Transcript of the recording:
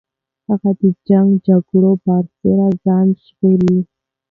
هغه د جنګ جګړو د برعکس ځان ژغوري.